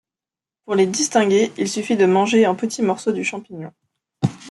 Pour les distinguer, il suffit de manger un petit morceau du champignon.